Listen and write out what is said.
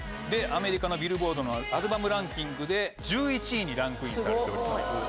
アメリカのビルボードのアルバムランキングで１１位にランクインされております。